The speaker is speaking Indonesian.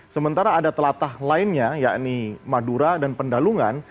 sementara ada telatah lainnya yakni madura dan pendalungan